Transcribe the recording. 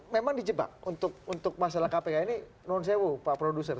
memang di jebak untuk masalah kpk ini non sewo pak produser